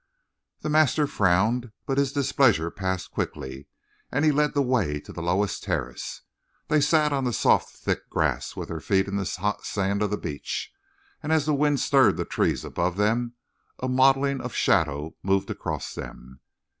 The master frowned, but his displeasure passed quickly and he led the way to the lowest terrace. They sat on the soft thick grass, with their feet in the hot sand of the beach, and as the wind stirred the tree above them a mottling of shadow moved across them.